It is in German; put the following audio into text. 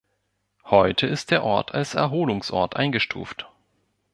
Heute ist der Ort als Erholungsort eingestuft.